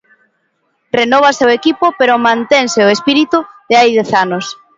Renóvase o equipo pero mantense o espírito de hai dez anos.